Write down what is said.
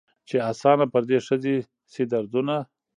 چي آسانه پر دې ښځي سي دردونه